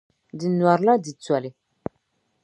Di nyɔrla di toli.